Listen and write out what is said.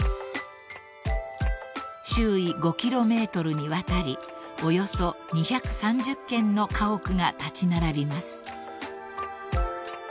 ［周囲５ｋｍにわたりおよそ２３０軒の家屋が立ち並びます］